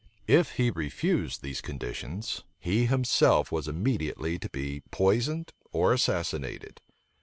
If he refuse these conditions, he himself was immediately to be poisoned or assassinated.